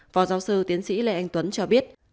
phó giáo sư tiến sĩ lê anh tuấn cho biết